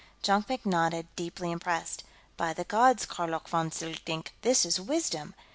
Jonkvank nodded, deeply impressed. "By the gods, Karlok vonk Zlikdenk, this is wisdom!